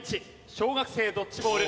小学生ドッジボール